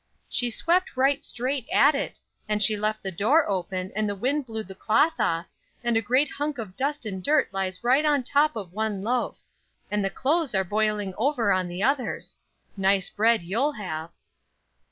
"She swept right straight at it; and she left the door open, and the wind blew the cloth off, and a great hunk of dust and dirt lies right on top of one loaf, and the clothes are boiling over on the others. Nice bread you'll have!"